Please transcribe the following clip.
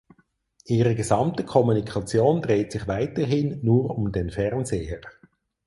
Ihre gesamte Kommunikation dreht sich weiterhin nur um den Fernseher.